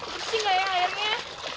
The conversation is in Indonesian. bersih gak ya airnya